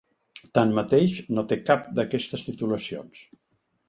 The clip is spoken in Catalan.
Tanmateix, no té cap d’aquestes titulacions.